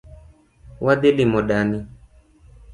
Wadhi limo dani